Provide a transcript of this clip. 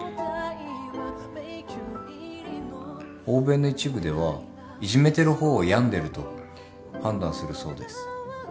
欧米の一部ではいじめてる方を病んでると判断するそうです。